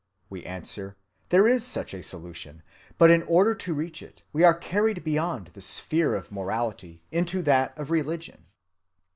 We answer, There is such a solution, but in order to reach it we are carried beyond the sphere of morality into that of religion.